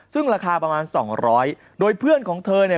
ซึ่งราคาประมาณ๒๐๐โดยเพื่อนของเธอเนี่ย